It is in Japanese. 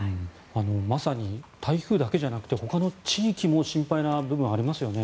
まさに台風だけじゃなくほかの地域も心配な部分はありますよね。